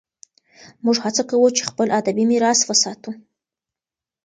موږ هڅه کوو چې خپل ادبي میراث وساتو.